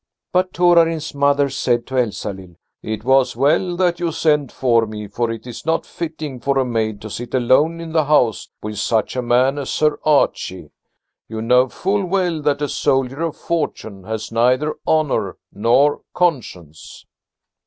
But Torarin's mother said to Elsalill: "It was well that you sent for me, for it is not fitting for a maid to sit alone in the house with such a man as Sir Archie. You know full well that a soldier of fortune has neither honour nor conscience."